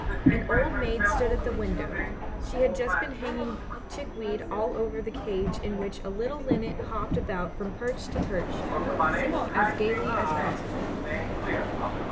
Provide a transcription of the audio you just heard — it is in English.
An old maid stood at the window, she had just been hanging chickweed all over the cage in which a little linnet hopped about from perch to perch, singing as gaily as possible.